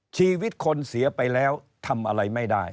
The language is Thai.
ชีวิตคนเสียไปแล้วทำอะไรไม่ได้